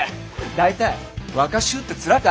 大体若衆って面か！